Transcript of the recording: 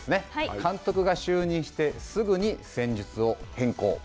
監督が就任してすぐに戦術を変更。